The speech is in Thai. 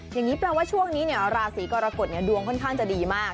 อย่างนี้แปลว่าช่วงนี้ราศีกรกฎดวงค่อนข้างจะดีมาก